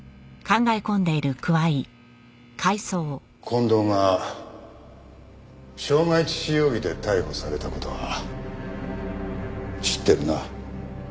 近藤が傷害致死容疑で逮捕された事は知ってるな？